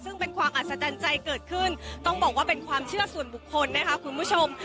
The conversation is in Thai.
ซึ่งเป็นความอัศจรรย์ใจเกิดขึ้นต้องบอกว่าเป็นความเชื่อส่วนบุคคลนะคะคุณผู้ชม